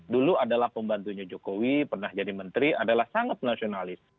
dulu adalah pembantunya jokowi pernah jadi menteri adalah sangat nasionalis